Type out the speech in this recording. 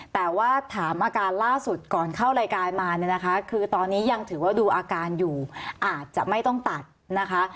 แต่ว่าถามอาการล่าสุดก่อนเข้ารายการมาเนี่ยนะคะคือตอนนี้ยังถือว่าดูอาการอยู่อาจจะไม่ต้องตัดนะคะ